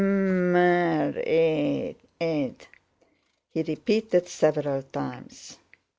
"Mmm...ar...ate...ate..." he repeated several times.